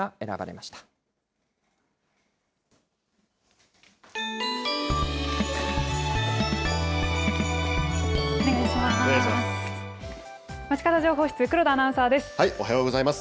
まちかど情報室、黒田アナウンサーです。